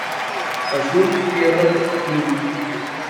Azul y Tierra, núm.